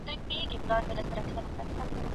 د مينې کيسې زړونه نرموي.